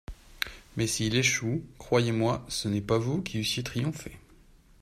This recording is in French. Mais s'il échoue, croyez-moi, ce n'est pas vous qui eussiez triomphé.